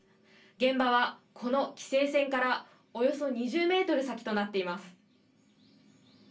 現場は、この規制線からおよそ２０メートル先となっています。